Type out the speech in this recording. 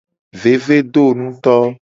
Vevedonuto.